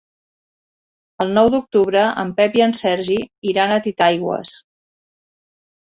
El nou d'octubre en Pep i en Sergi iran a Titaigües.